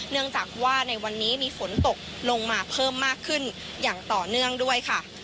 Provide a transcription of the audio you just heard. เนื่องจากว่าในวันนี้มีฝนตกลงมาเพิ่มมากขึ้นอย่างต่อเนื่องด้วยค่ะ